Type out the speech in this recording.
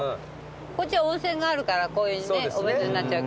こっちは温泉があるからこういうお水になっちゃうけど。